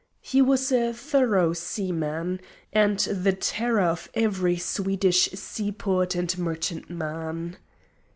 He was a thorough seaman, and the terror of every Swedish seaport and merchantman.